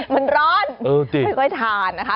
มันร้อนไม่ค่อยทานนะคะ